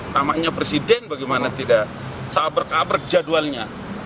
namanya presiden bagaimana tidak sabar kabrek jadwalnya